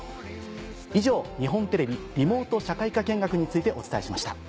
以上「日本テレビリモート社会科見学」についてお伝えしました。